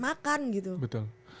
makan gitu betul